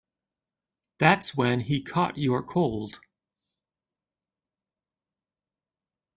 That's when he caught your cold.